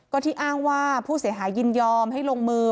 ก็ที่อ้างว่าผู้เสียหายยินยอมให้ลงมือ